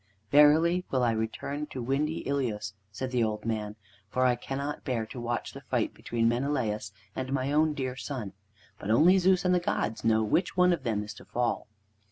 "Verily will I return to windy Ilios," said the old man, "for I cannot bear to watch the fight between Menelaus and my own dear son. But only Zeus and the gods know which one of them is to fall."